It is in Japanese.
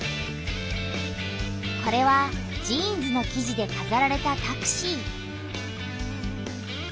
これはジーンズの生地でかざられたタクシー。